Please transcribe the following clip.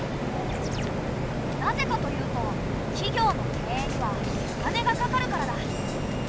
なぜかというと企業の経営にはお金がかかるからだ。